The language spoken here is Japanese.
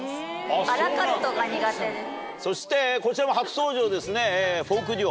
そしてこちらも初登場ですね。